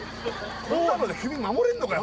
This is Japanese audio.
こんなので首守れんのかよ